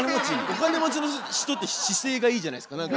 お金持ちの人って姿勢がいいじゃないですか何か。